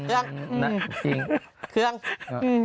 เครื่อง